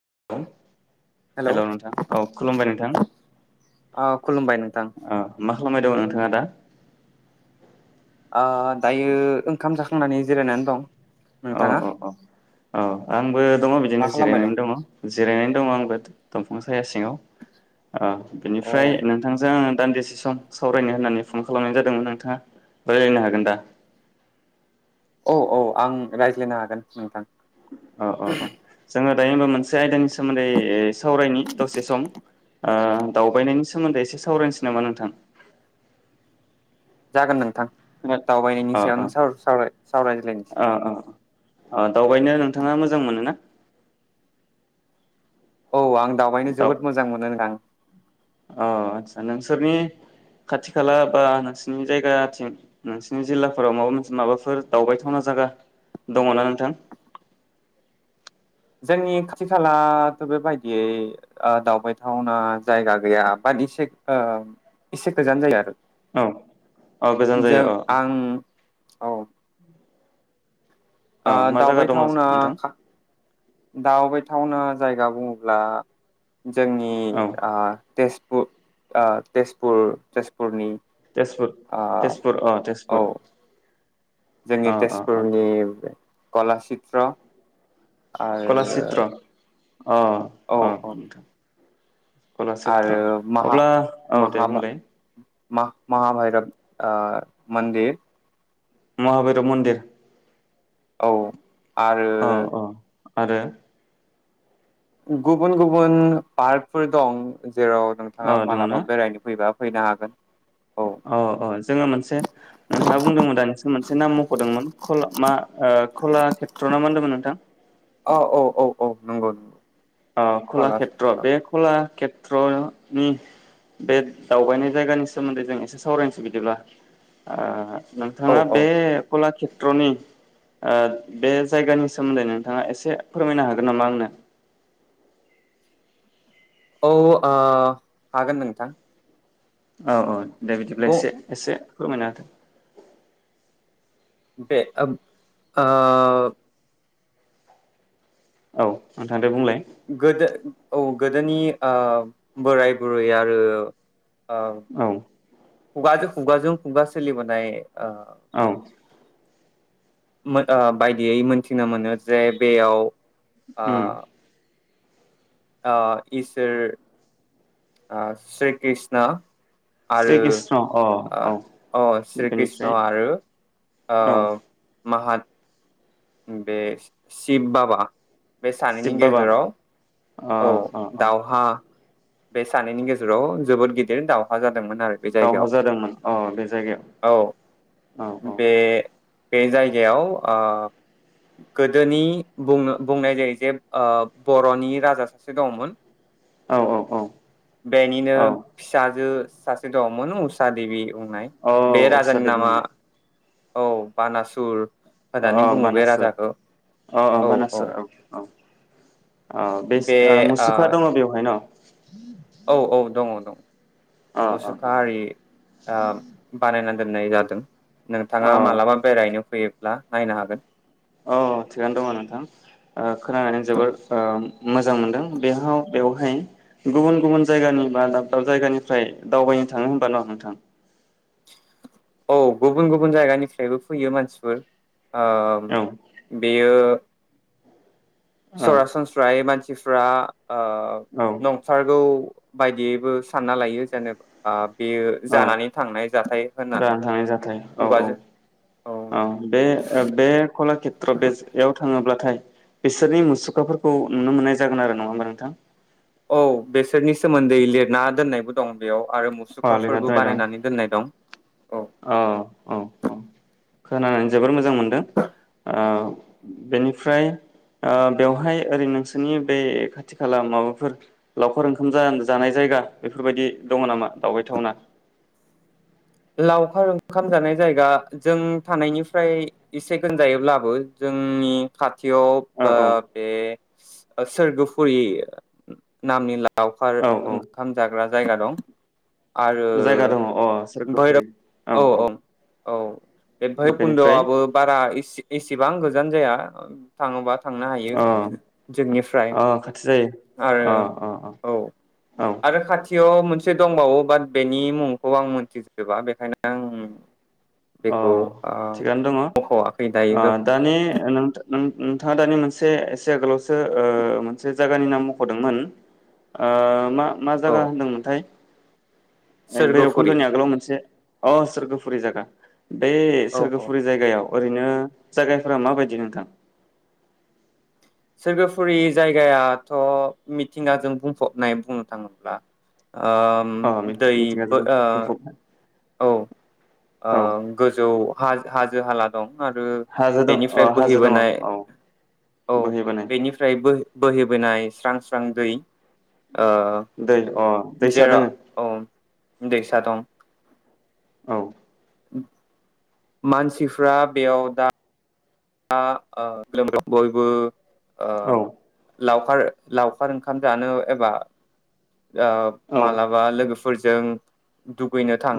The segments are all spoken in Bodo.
[inaudible] हेलौ हेल' नोंथां औ खुलुमबाय नोंथां अ खुलुमबाय नोंथां। खालामायदों नोंथाङा दा। ओ दायो ओंखाम जाखांनानै जिरायनानै दं। औ नोंथाङा औ औ औ आंबो दङ बिदिनो मा खालामबाय जिरायनानै दं दङ जिरायनानै दङ आंबो। [unintelligible] याव ओ औ बिनिफ्राय नोंथांजों आं दान्दिसे सम सावरायनो होननानै फन खालामनाय जादोंमोन नोंथाङा रायलायनो हागोन दा? औ औ आं रायज्लायनो हागोन नोंथां। अ अ अ जोङो दे होनबा मोनसे आयदानि सोमोन्दै सावरायनि दसे सम ओ दावबायनायनि सोमोन्दै एसे सावरायनोसै नामा नोंथां जागोन नोंथां। खोना दावबायनायनि अ सायावनो साव-सावराय सावज्लायनोसै अ अ अ दावबायनो नोंथाङा मोजां मोनो ना? औ आं दावबायनो जोबोद मोजां मोनो नोंथां। औ आदसा नोंसोरनि खाथि खाला बा नोंसोरनि जायगाथिं नोंसोरनि जिल्लाफोराव माबा मोनसे माबाफोर दावबायथावना जायगा दङना नोंथां? जोंनि खाथि खालाथ' बेबायदियै ओ दावबायथावना जायगा गैया बाद एसे एसे गोजान जायो आरो। औ औ गोजान जों जायो औ औ आं औ औ मा जायगा दङ दावबायथावना नोंथां खा दावबायथावना जायगा बुङोब्ला जोंनि औ आ तेज पुर आ तेजपुर तेजपुरनि तेजपुर ओ तेजपुर अ तेजपुर औ अ जोंनि अ अ तेजपुरनि कला चित्र कलाषेत्र आरो अ औ अ औ आरो कलासित्र माहा अब्ला औ दे बुंलाय मा-महाभायरब ओ मन्दिर महाबैरब मन्दिर औ आरो अ अ आरो गुबुन गुबुन पार्कफोर दं। जेराव अ नोंथाङा दङ ना मालाबा बेरायनो फैबा फैनो हागोन। औ अ औ जोङो मोनसे नोंथाङा बुंदोंमोन दा नोंसोर मोनसे नाम मख'दोंमोन कला मा ओ कलाक्षेत्र ना मा होनदोंमोन नोंथां? औ औ औ औ नंगौ नंगौ अ कलाक्षेत्र कलाचित्र बे खलाक्षे मेट्र'नि बे दावबायनाय जायगानि सोमोन्दै जों एसे सावरायनोसै बिदिब्ला ओ औ नोंथाङा बे कलाक्षे मेट्र'नि बे जायगानि सोमोन्दै नोंथाङा एसे फोरमायनो हागोन नामा आंनो औ ओ हागोन नोंथां औ औ दा बिदिब्ला बुं एसे एसे फोरमायना होथों बे आ आ औ नोंथांदे बुंलाय गोदो औ गोदोनि ओ बोराय बुरै आरो औ खुगाजों खुगाजों खुगा सोलि बोनाय ओ औ मोन बायदियै मोनथिनो मोनो जे बेयाव ओ ओम ओ इसोर ओ श्री कृष्ण श्री आरो कृष्ण अ औ अ श्री कृष्ण बेनिफ्राय आरो औ ओ माहत बे शिब बाबा बे सानैनि शिब बाबा गेजेराव अ औ अ दावहा बे सानैनि गेजेराव जोबोद गिदिर दावहा जादों जादोंमोन आरो बे दावहा जायगायाव जादोंमोन अ बे जायगायाव औ औ बे बे जायगायाव गोदोनि बुं बुंनाय जायो जे बर'नि राजा सासे दंमोन औ औ औ बेनिनो औ फिसाजो सासे दङमोन उसा देबि बुंनाय बे औ उसा राजानि देबि नामा होननाय औ बानासुर अ होननानै अ बुङो बे बानासुर राजाखौ अ अ बानासुर औ औ अ बे मुसुखा दङ बेवहाय न'? औ औ दङ दं। अ मुसुखा आरि ओ बानायनानै दोननाय जादों। नोंथाङा अ औ मालाबा बेरायनो फैयो ब्ला नायनो हागोन। औ थिगानो दङ नोंथां खोनानानै जोबोर मोजां मोनदों बेहाव बेवहाय गुबुन गुबुन जायगानि बा दाब दाब जायगानिफ्राय दावबायनो थाङो होनबा न' नोंथां? औ गुबुन गुबुन जायगानिफ्रायबो फैयो मानसिफोर ओ औ बेयो औ सरासनस्रायै मान सिफ्रा ओ औ नंथारगौ बायदियैबो सानना लायो जेनेबा बेयो औ जानानै थांनाय जाथाय होननानै जानानै थांनाय जाथाय औ औ खुगाजों औ बे बे कलाक्षेत्र बेयाव थाङोब्लाथाय बिसोरनि मुसुखाफोरखौ नुनो मोननाय जागोन आरो नङा होमबा नोंथां? औ बेसोरनि सोमोन्दै लिरना दोननायबो दं बेयाव। आरो अ मुसुखाफोरबो लिरनादोननाइ दं। बानायनानै दोननाय दं औ औ औ औ खोनानानै जोबोर मोजां मोनदों बेनिफ्राय बेवहाय ओरै नोंसोरनि बे खाथि खाला माबाफोर लावखार ओंखाम जानाय जायगा बेफोरबायदि दङ नामा? दावबायथावना लावखार ओंखाम जानाय जायगा जों थानायनिफ्राय एसे गोजान जायोब्लाबो जोंनि खाथ थियाव औ बा औ बे ओह सोरगोफुरि नामनि लावखार औ औ ओंखाम जाग्रा जायगा दं जायगा दङ अ सोरखौ बैरब औ औ औ बेनिफ्राय बैरबखन्दआबो बारा इसे एसेबां गोजान जाया थाङोबा थांनो हायो अ जोंनिफ्राय अ खाथि जायो आरो अ अ औ अ औ आरो खाथि याव मोनसे दंबावो बाट बेनि मुंखौ आं मोनथि गोबाङा बेखायनो आं अ बेखौ ओ थिगानो दङ मख'वाखै ओह दायो दानि नोंथा नों नोंथाङा दानि मोनसे एसे गोलाव [inaudible] जायगानि नाम मख'दोंमोन ओह मा मा औ जागा होनदोंमोनथाय सोरगोफुरि भैरबकुन्द'नि आगोलाव मोनसे अ सोरगोफुरि जागा बे औ औ सोरगोफुरि जायगायाव ओरैनो जायगाफोरा माबायदि नोंथां? सोरगोफुरि जायगायाथ' मिथिंगाजों बुंफबनाय बुंनो थाङोब्ला ओम अ दै फो मिथिंगाजों बुंफबनाय ओ औ औ ओह गोजौ हाज हाजो हाला दं आरो हाजो दं बेनिफ्राय बोहैबोनाय औ बहैबोनाय बेनिफ्राय बोहैबोनाय स्रां स्रां दै ओ दै अह दैसा जेराव दोंङो औ दैसा दं औ उह मानसिफ्रा बेयाव दा दा [unintelligible] औ लावखार लावखार ओंखाम जानो एबा ओह औ मालाबा लोगोफो फोरजों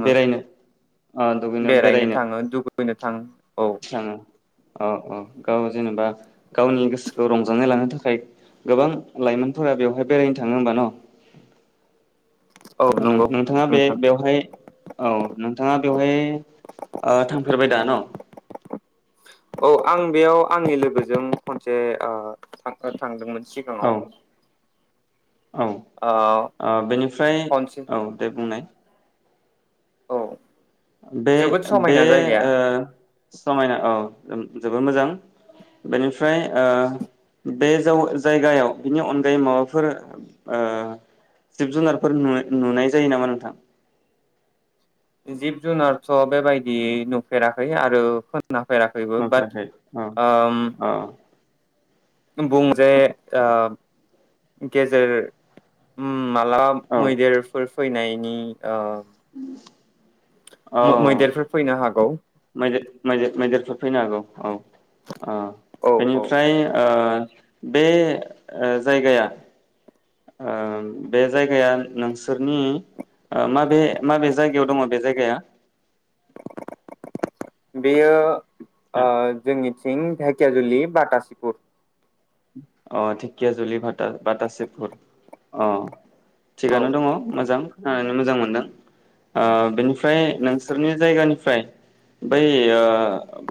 बेरायनो ओ दुगैनो बेरायनो थाङो दुगैनो थाङो औ थांङो ओ ओ गाव जेनेबा गावनि गोसोखौ रंजानाय लानो थाखाय गोबां लाइमोनफोरा बेवहाय बेरायनो थांङो होमबा न' औ नंगौ नोंथाङा बे नोंथां बेवहाय औ नोंथाङा बेवहाय आ थांफेरबाय दा न' औ आं बेयाव आंनि लोगोजों खनसे थांदोंमोन। सिगाङाव औ ओ आ बेनिफ्राय खनसे औ दे बुंनाय औ बे जोबोद बे समायना जायगाया ओ समायना औ जोबोर मोजां बेनिफ्राय ओ बे जायगायाव बिनि अनगायै माबाफोर ओ जिब जुनारफोर नुनाय जायो नामा नोंथां। जिब जुनारथ' बेबायदि नुफेराखै आरो खोनाफेराखैबो बाट नुफेराखै औ ओम औ बुं जे ओ गेजेर ओम माला औ मैदेरफोर फैनाय औ [unintelligible] मैदेरफोर फैनो हागौ मैदेर मदेर मैदेरफोर फैनो हागौ औ आ औ औ बेनिफ्राय ओ बे ओ जायगाया ओ बे जायगाया नोंसोरनि माबे माबे जायगायाव दङ बे जायगाया? बेयो ओ अ जोंनि सिं धेकियाजुलि बतासीपुर अ धेकियााजुलि भा बातासिपुर अ औ थिगानो दङ मोजां खोनानानै मोजां मोनदों आ बेनिफ्राय नोंसोरनि जायगानिफ्राय बै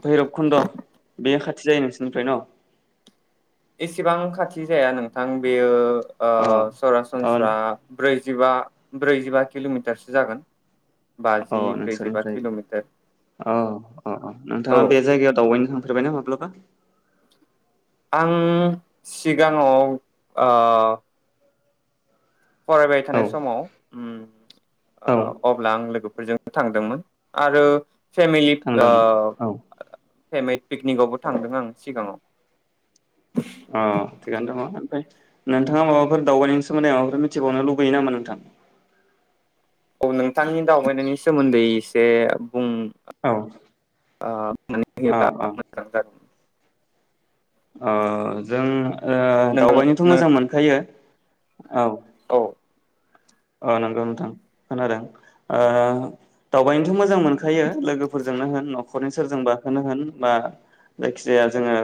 भैरब खुन्द' बे खाथि जायो नोंसोरनिफ्राय न? एसेबां खाथि जाया नोंथां बेयो ओ अ अ सरासनस्रा ब्रै जिबा ब्रैजिबा किल'मिटारसो जागोन। औ बाजि ब्रैजिबा नोंसोरनिफ्राय किल'मिटार औ औ औ नोंथाङा बे जायगायाव दावबायनो थां फेरबायाय ना माब्लाबा? आं सिगाङाव ओ फरायबाय औ थानाय समाव उम्म औ अब्ला आं लोगो फोरजोंनो थांदोंमोन आरो फेमिलि थांदोंमोन ओ औ फेमिलि पिकनिकआवबो थांदों आं सिगाङाव। अ थिगानो दङ ओमफ्राय नोंथाङा माबाफोर दावबायनायनि सोमोन्दै माबाफोर मिथिबावनो लुबैयो नामा नोंथां? औ नोंथांनि दावबायनायनि सोमोन्दै एसे बुं औ आ [unintelligible] अ होयोब्ला अ मोजां जागोन। ओ जों नोंथां दावबायनोथ' नों मोजां मोनखायो। औ। औ अ नंगौ नोंथां खोनादों ओ दावबायनोथ' मोजां मोन खायो लोगोफोरजोंनो होन न'खरनि सोरजोंबाखोनो होन, बा जायखिजाया जोङो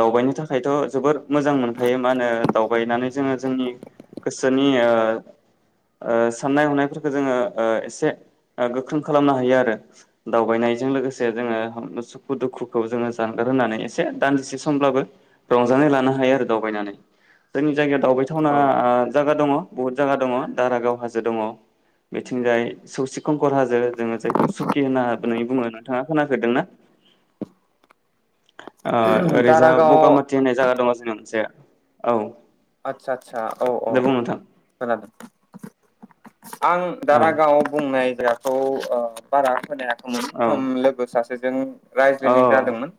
दावबायनो थाखायथ' जोबोर मोजां मोनखायो मा होनो दावबायनानै जोङो जोंनि गोसोनि ओ ओ साननाय हनायफोरखौ जोङो एसे गोख्रों खालामनो हायो आरो दावबायनायजों लोगोसे जोङो सुखु दुखुखौ जोङो जानगार होनानै एसे दान्दिसे समब्लाबो रंजानाय लानो हायो आरो दावबायनानै जोंनि जायगायाव दावबायथावना औ जायगा दङ। बहुत जागा दङ। दारागाव हाजो दङ, बेथिंजाय सौसि खंखर हाजो, जोङो जायखौ सुखि होननानै बुङो। नोंथाङा खोनाफेरदोंना? ओ ओरैजा दारागाव बगामाथि होननाय जायगा दङ जोंहानिथिंजाय। औ। आदसा आदसा औ औ दे बुं नोंथां खोनादों। [inaudible] आं औ दारागावआव बुंनाय जायगाखौ बारा खोनायाखै औ [unintelligible] लोगो सासेजों औ रायज्लायनाय जादोंमोन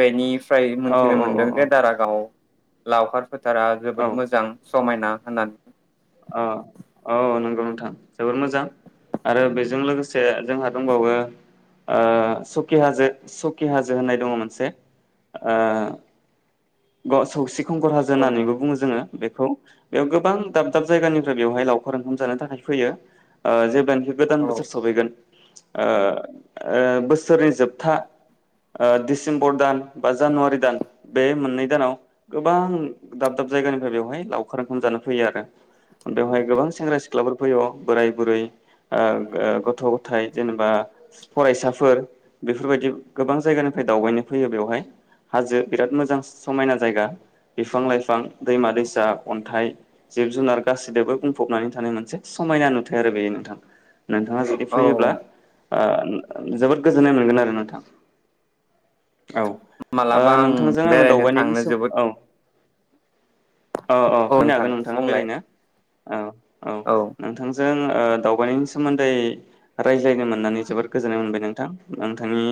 बेनि फ्राय मिथिनो औ औ मोनदों जे दारागाव लावखार फो थारा जोबोद औ मोजां समायना [inaudible] अ औ नंगौ नोंथां। जोबोर मोजां आरो बेजों लोगोसे जोंहा दंबावो सकि हाजो, सकि हाजो होननाय दङ मोनसे ओ [unintelligible] खंखर हाजो होननानै औ बुङो जोङो बे खौ, बेयाव गोबां दाब दाब जायगानिफ्राय बेयावहाय लावखार ओंखाम जानो थाखाय फैयो। आ जेब्ला गोदान औ बोसोर सफैगोन ओ ओ बोसोरनि जोबथा दिडसेम्बर दान बा जानुवारि दान बे मोननै दानाव गोबां दाब दाब जायगानिफ्राय बेवहाय लावखार ओंखाम जानो फैयो आरो। बेवहाय गोबां सेंग्रा सिख्लाफोर फैयो, बोराय-बुरै, गथ'-गथाय जेनेबा फरायसाफोर बेफोरबायदि गोबां जायगानिफ्राय दावबायनो फैयो बेवहाय, हाजो बिराद मोजां समायना जायगा, बिफां-लाइफां, दैमा-दैसा, अन्थाइ, जिब-जुनार गासिजोंबो बुंफबनानै थानाय मोनसे समायना नुथाय आरो बेयो नोंथां। नोंथाङा जुदि फैयोब्ला औ ओ जोबोद गोजोननाय मोनगोन आरो नोंथां मालाबा आं बेरायनो। थांनो नोंनिसाव जोबोद औ अ-अ औ फैनो नोंथां हागोन नोंथाङा बुंलाय बेरायनो। औ। औ नोंथांजो जों दावबायनायनि सोमोन्दै रायज्लायनो मोननानै जोबोर गोजोननाय मोनबाय नोंथां नोंथांनि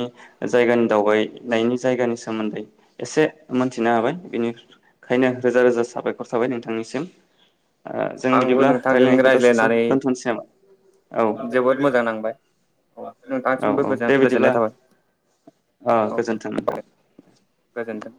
जायगानि दावबायनायनि जायगानि सोमोन्दै एसे। मोन्थिनो हाबाय बिनिखायनो रोजा रोजा साबायखर साबाय नोंथांनिसिम। ओ जों आंबो बिदिब्ला नोंथांजों रायलायनायखौ दसे सम रायज्लायनानै दोनथ'नोसै नामा औ जोबोद मोजां नांबाय औ नोंथांसिमबो औ दे बिदिब्ला गोजोननाय थाबाय ओ गोजोन्थों औ-औ नोंथां गोजोनथों।